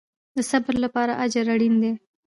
د صبر لپاره اجر اړین دی